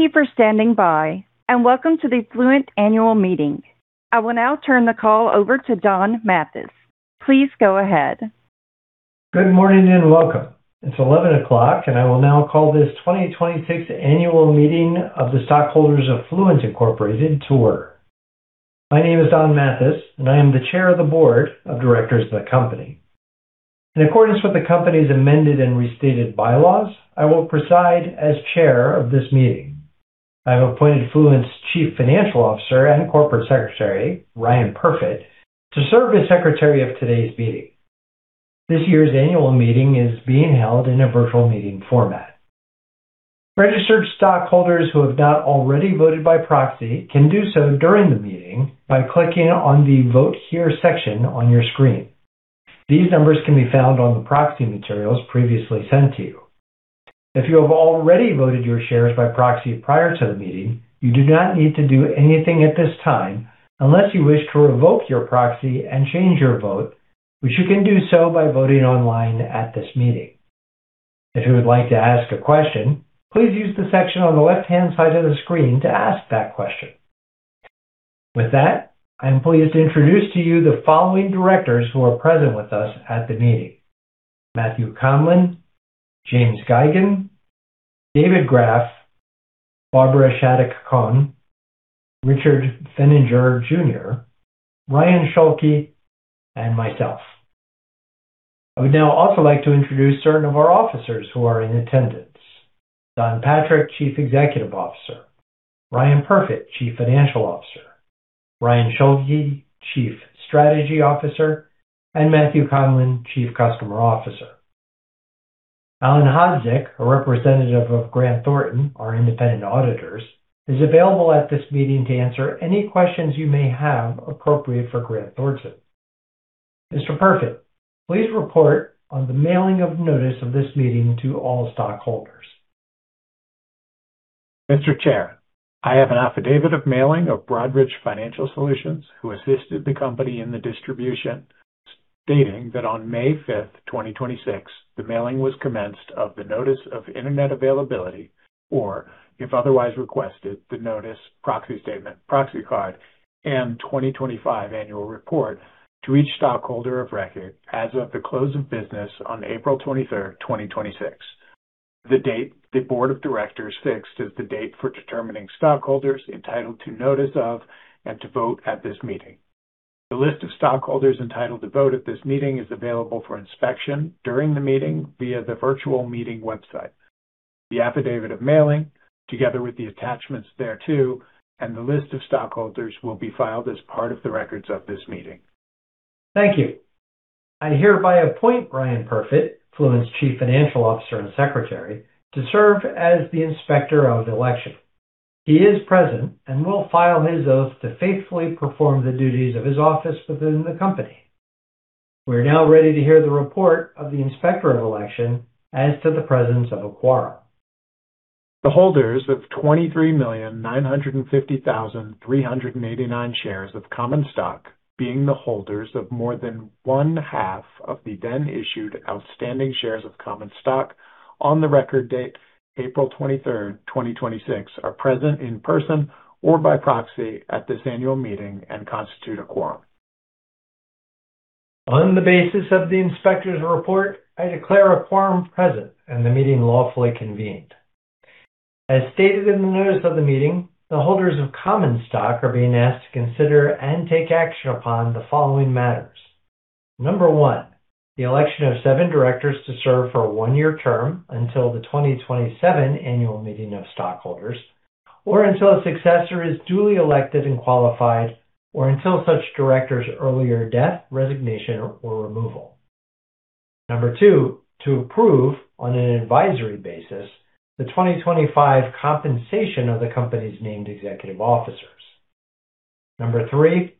Thank you for standing by, and welcome to the Fluent annual meeting. I will now turn the call over to Don Mathis. Please go ahead. Good morning, and welcome. It's 11 o'clock, and I will now call this 2026 annual meeting of the stockholders of Fluent Incorporated to order. My name is Don Mathis, and I am the Chair of the Board of Directors of the company. In accordance with the company's amended and restated bylaws, I will preside as chair of this meeting. I have appointed Fluent's Chief Financial Officer and Corporate Secretary, Ryan Perfit, to serve as secretary of today's meeting. This year's annual meeting is being held in a virtual meeting format. Registered stockholders who have not already voted by proxy can do so during the meeting by clicking on the Vote Here section on your screen. These numbers can be found on the proxy materials previously sent to you. If you have already voted your shares by proxy prior to the meeting, you do not need to do anything at this time unless you wish to revoke your proxy and change your vote, which you can do so by voting online at this meeting. If you would like to ask a question, please use the section on the left-hand side of the screen to ask that question. With that, I am pleased to introduce to you the following directors who are present with us at the meeting: Matthew Conlin, James Geygan, David Graff, Barbara Shattuck Kohn, Richard Pfenniger, Jr., Ryan Schulke, and myself. I would now also like to introduce certain of our officers who are in attendance. Don Patrick, Chief Executive Officer. Ryan Perfit, Chief Financial Officer. Ryan Schulke, Chief Strategy Officer. Matthew Conlin, Chief Customer Officer. Alen Hodzic, a representative of Grant Thornton, our independent auditors, is available at this meeting to answer any questions you may have appropriate for Grant Thornton. Mr. Perfit, please report on the mailing of notice of this meeting to all stockholders. Mr. Chair, I have an affidavit of mailing of Broadridge Financial Solutions, who assisted the company in the distribution, stating that on May 5th, 2026, the mailing was commenced of the notice of internet availability, or, if otherwise requested, the notice proxy statement, proxy card, and 2025 annual report to each stockholder of record as of the close of business on April 23rd, 2026. The date the board of directors fixed is the date for determining stockholders entitled to notice of and to vote at this meeting. The list of stockholders entitled to vote at this meeting is available for inspection during the meeting via the virtual meeting website. The affidavit of mailing, together with the attachments thereto and the list of stockholders, will be filed as part of the records of this meeting. Thank you. I hereby appoint Ryan Perfit, Fluent's Chief Financial Officer and Secretary, to serve as the inspector of the election. He is present and will file his oath to faithfully perform the duties of his office within the company. We are now ready to hear the report of the inspector of election as to the presence of a quorum. The holders of 23,950,389 shares of common stock, being the holders of more than one half of the then issued outstanding shares of common stock on the record date, April 23rd, 2026, are present in person or by proxy at this annual meeting and constitute a quorum. On the basis of the inspector's report, I declare a quorum present and the meeting lawfully convened. As stated in the notice of the meeting, the holders of common stock are being asked to consider and take action upon the following matters. Number one, the election of seven directors to serve for a one-year term until the 2027 annual meeting of stockholders, or until a successor is duly elected and qualified, or until such director's earlier death, resignation, or removal. Number two, to approve, on an advisory basis, the 2025 compensation of the company's named executive officers. Number three, to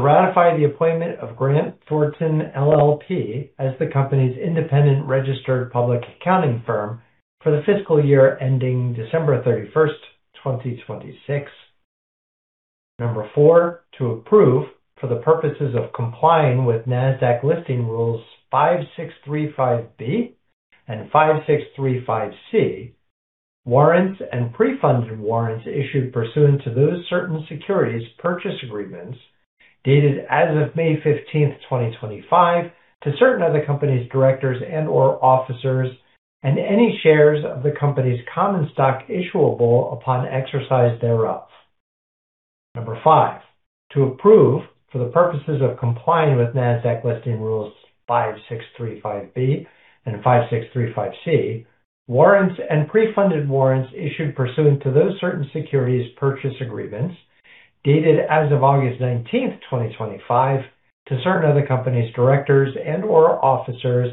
ratify the appointment of Grant Thornton LLP as the company's independent registered public accounting firm for the fiscal year ending December 31st, 2026. Number four, to approve, for the purposes of complying with Nasdaq Listing Rules 5635B and 5635C, warrants and pre-funded warrants issued pursuant to those certain securities purchase agreements dated as of May 15th, 2025, to certain of the company's directors and/or officers and any shares of the company's common stock issuable upon exercise thereof. Number five, to approve, for the purposes of complying with Nasdaq Listing Rules 5635B and 5635C, warrants and pre-funded warrants issued pursuant to those certain securities purchase agreements dated as of August 19th, 2025, to certain of the company's directors and/or officers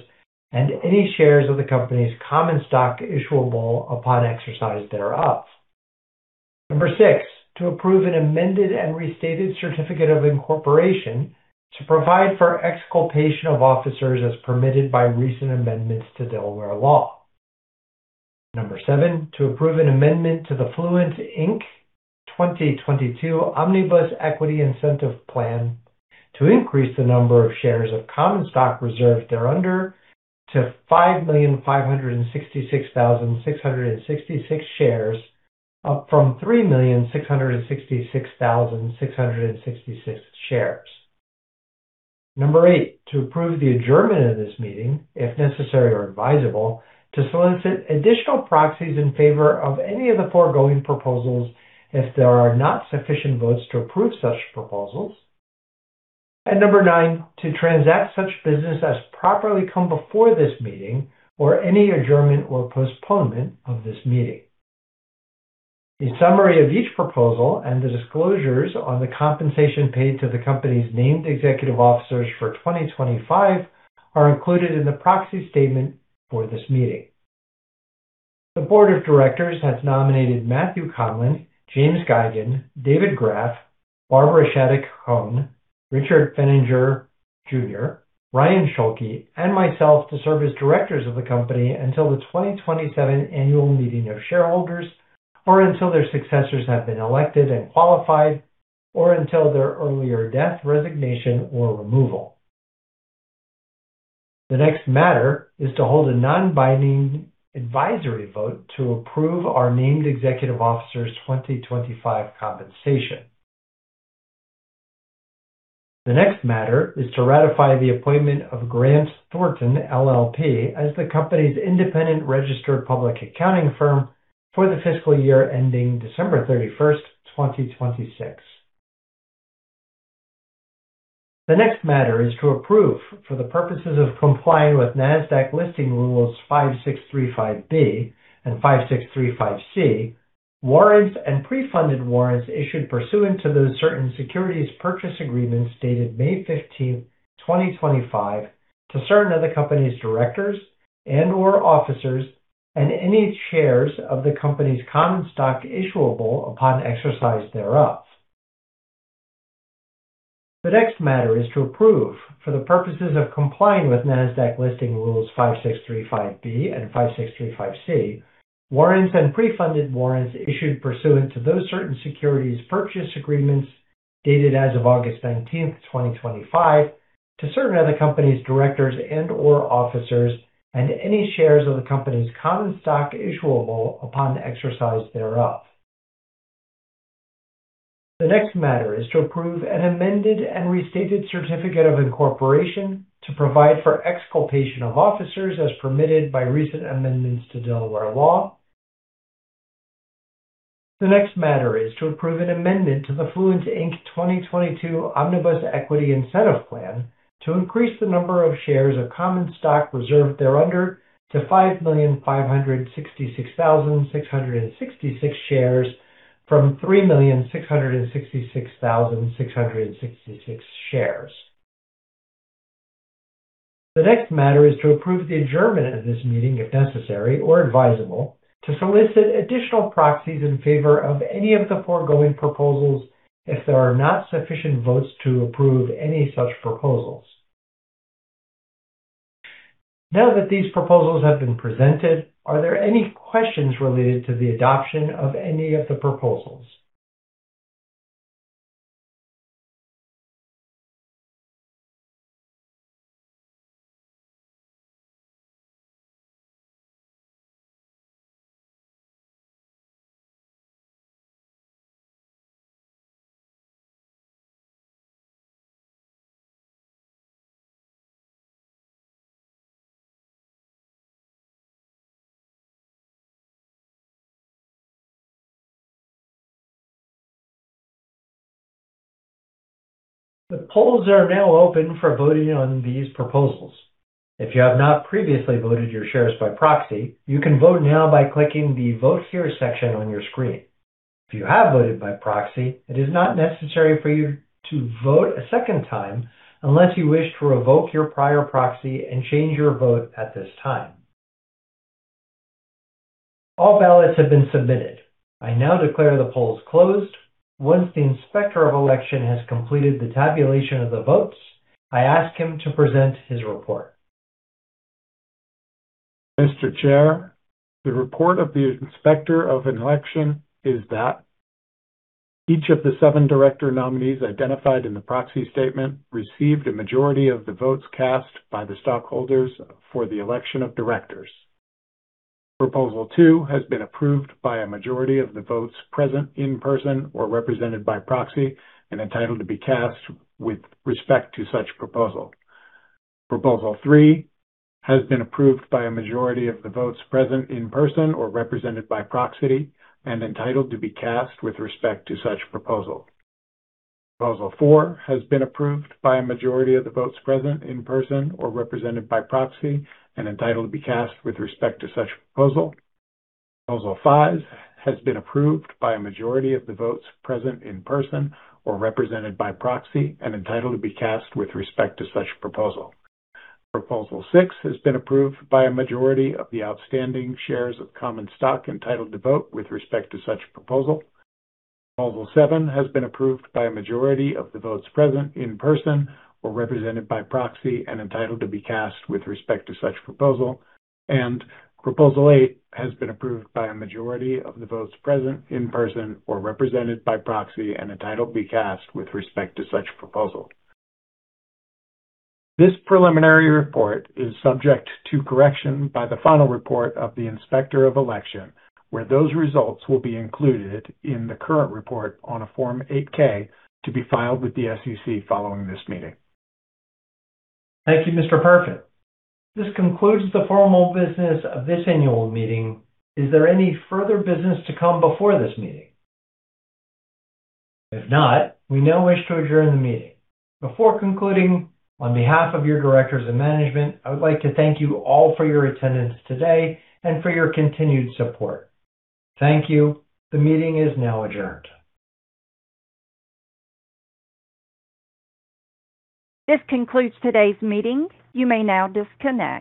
and any shares of the company's common stock issuable upon exercise thereof. Number six, to approve an amended and restated certificate of incorporation to provide for exculpation of officers as permitted by recent amendments to Delaware law. Number seven, to approve an amendment to the Fluent, Inc 2022 Omnibus Equity Incentive Plan to increase the number of shares of common stock reserved thereunder to 5,566,666 shares, up from 3,666,666 shares. Number eight, to approve the adjournment of this meeting, if necessary or advisable, to solicit additional proxies in favor of any of the foregoing proposals, if there are not sufficient votes to approve such proposals. Number nine, to transact such business as properly come before this meeting or any adjournment or postponement of this meeting. The summary of each proposal and the disclosures on the compensation paid to the company's named executive officers for 2025 are included in the proxy statement for this meeting. The board of directors has nominated Matthew Conlin, James Geygan, David Graff, Barbara Shattuck Kohn, Richard Pfenniger, Jr., Ryan Schulke, and myself to serve as directors of the company until the 2027 annual meeting of shareholders, or until their successors have been elected and qualified, or until their earlier death, resignation, or removal. The next matter is to hold a non-binding advisory vote to approve our named executive officers' 2025 compensation. The next matter is to ratify the appointment of Grant Thornton LLP as the company's independent registered public accounting firm for the fiscal year ending December 31st, 2026. The next matter is to approve, for the purposes of complying with Nasdaq Listing Rules 5635B and 5635C, warrants and pre-funded warrants issued pursuant to those certain securities purchase agreements dated May 15th, 2025, to certain of the company's directors and/or officers and any shares of the company's common stock issuable upon exercise thereof. The next matter is to approve, for the purposes of complying with Nasdaq Listing Rules 5635B and 5635C, warrants and pre-funded warrants issued pursuant to those certain securities purchase agreements dated as of August 19th, 2025, to certain of the company's directors and/or officers and any shares of the company's common stock issuable upon exercise thereof. The next matter is to approve an amended and restated certificate of incorporation to provide for exculpation of officers as permitted by recent amendments to Delaware law. The next matter is to approve an amendment to the Fluent, Inc 2022 Omnibus Equity Incentive Plan to increase the number of shares of common stock reserved thereunder to 5,566,666 shares from 3,666,666 shares. The next matter is to approve the adjournment of this meeting, if necessary or advisable, to solicit additional proxies in favor of any of the foregoing proposals, if there are not sufficient votes to approve any such proposals. Now that these proposals have been presented, are there any questions related to the adoption of any of the proposals? The polls are now open for voting on these proposals. If you have not previously voted your shares by proxy, you can vote now by clicking the Vote Here section on your screen. If you have voted by proxy, it is not necessary for you to vote a second time unless you wish to revoke your prior proxy and change your vote at this time. All ballots have been submitted. I now declare the polls closed. Once the Inspector of Election has completed the tabulation of the votes, I ask him to present his report. Mr. Chair, the report of the Inspector of an Election is that each of the seven director nominees identified in the proxy statement received a majority of the votes cast by the stockholders for the election of directors. Proposal 2 has been approved by a majority of the votes present in person or represented by proxy and entitled to be cast with respect to such proposal. Proposal 3 has been approved by a majority of the votes present in person or represented by proxy and entitled to be cast with respect to such proposal. Proposal 4 has been approved by a majority of the votes present in person or represented by proxy and entitled to be cast with respect to such proposal. Proposal 5 has been approved by a majority of the votes present in person or represented by proxy and entitled to be cast with respect to such proposal. Proposal 6 has been approved by a majority of the outstanding shares of common stock entitled to vote with respect to such proposal. Proposal 7 has been approved by a majority of the votes present in person or represented by proxy and entitled to be cast with respect to such proposal. Proposal 8 has been approved by a majority of the votes present in person or represented by proxy and entitled to be cast with respect to such proposal. This preliminary report is subject to correction by the final report of the Inspector of Election, where those results will be included in the current report on a Form 8-K to be filed with the SEC following this meeting. Thank you, Mr. Perfit. This concludes the formal business of this annual meeting. Is there any further business to come before this meeting? If not, we now wish to adjourn the meeting. Before concluding, on behalf of your directors and management, I would like to thank you all for your attendance today and for your continued support. Thank you. The meeting is now adjourned. This concludes today's meeting. You may now disconnect.